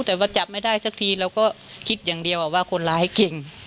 แต่ว่าจับไม่ได้สักทีเราก็คิดอย่างเดียวว่าคนร้ายเก่ง